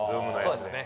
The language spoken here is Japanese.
そうですね。